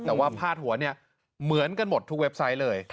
แต่ว่าพาดหัวเนี่ยเหมือนกันหมดทุกเว็บไซต์เลย